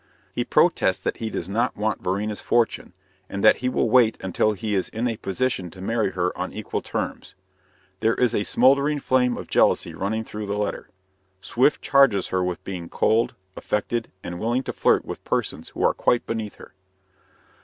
He protests that he does not want Varina's fortune, and that he will wait until he is in a position to marry her on equal terms. There is a smoldering flame of jealousy running through the letter. Swift charges her with being cold, affected, and willing to flirt with persons who are quite beneath her.